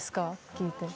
聞いて。